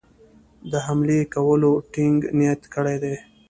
د حملې کولو ټینګ نیت کړی دی.